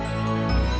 tunggu dong kok